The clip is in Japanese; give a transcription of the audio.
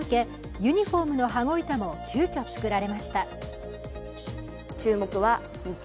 ユニフォームの羽子板も急きょ作られました。